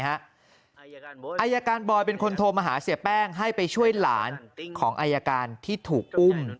อายการบอยเป็นคนโทรมาหาเสียแป้งให้ไปช่วยหลานของอายการที่ถูกอุ้ม